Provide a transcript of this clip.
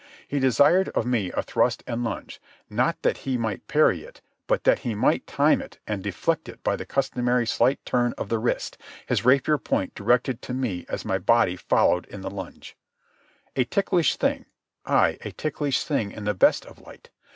He desired of me a thrust and lunge, not that he might parry it but that he might time it and deflect it by the customary slight turn of the wrist, his rapier point directed to meet me as my body followed in the lunge. A ticklish thing—ay, a ticklish thing in the best of light.